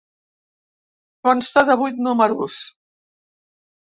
Consta de vuit números.